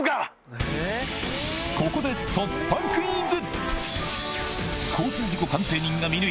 ここで突破クイズ！